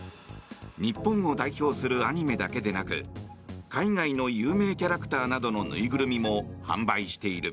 日本を代表するアニメだけでなく海外の有名キャラクターなどの縫いぐるみも販売している。